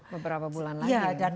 beberapa bulan lagi ya dan